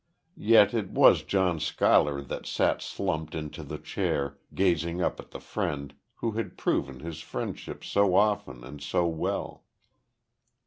Yet it was John Schuyler that sat slumped into the chair, gazing up at the friend who had proven his friendship so often and so well.